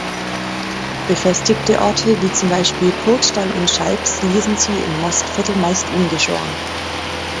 Befestigte Orte wie zum Beispiel Purgstall und Scheibbs ließen sie im Mostviertel meist ungeschoren.